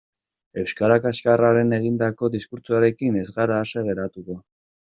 Euskara kaxkarrean egindako diskurtsoekin ez gara ase geratuko.